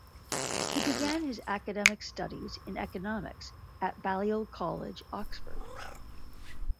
He began his academic studies in economics at Balliol College, Oxford.